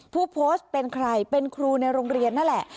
ผู้โพสต์เป็นใครเป็นครูในโรงเรียนนั่นแหละ